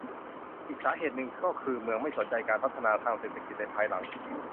อีกสาเหตุหนึ่งก็คือเมืองไม่สนใจการพัฒนาทางเศรษฐกิจในภายหลัง